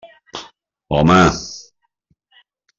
Home!